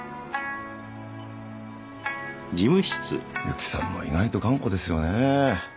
ゆきさんも意外と頑固ですよね。